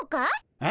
えっ？